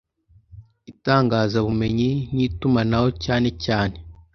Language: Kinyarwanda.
Itangazabumenyi N Itumanaho Cyane Cyane